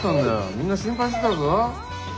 みんな心配してたぞ。